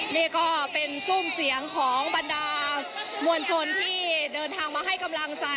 นี่ก็เป็นซุ่มเสียงของบรรดามวลชนที่เดินทางมาให้กำลังใจ